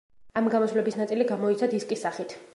ამ გამოსვლების ნაწილი გამოიცა დისკის სახით.